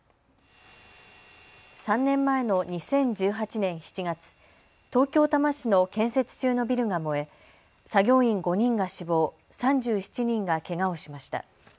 ３年前の２０１８年７月、東京多摩市の建設中のビルが燃え作業員５人が死亡、３７人がけがをしました。